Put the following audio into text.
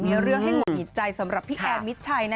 มีเรื่องให้หุดหงิดใจสำหรับพี่แอนมิดชัย